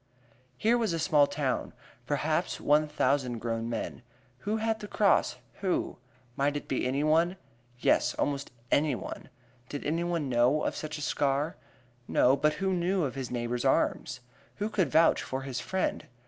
Here was a small town perhaps one thousand grown men. Who had the cross who? Might it be anyone? Yes, almost anyone! Did anyone know of such a scar? No, but who knew of his neighbor's arms? Who could vouch for his friend?